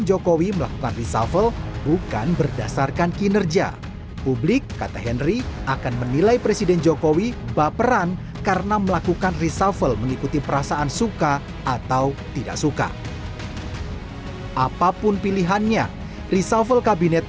jokowi dodo tidak menampik akan berlaku reshuffle